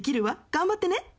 頑張ってね！